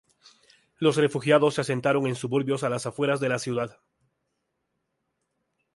Los refugiados se asentaron en suburbios a las afueras de la ciudad.